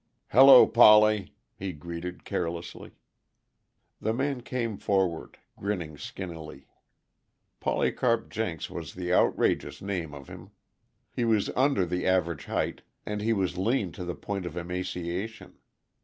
"Hello, Polly," he greeted carelessly. The man came forward, grinning skinnily. Polycarp Jenks was the outrageous name of him. He was under the average height, and he was lean to the point of emaciation.